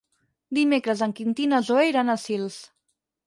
Dimecres en Quintí i na Zoè iran a Sils.